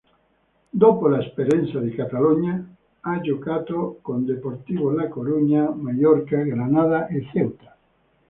Dopo l'esperienza in Catalogna ha giocato con Deportivo La Coruña, Maiorca, Granada e Ceuta.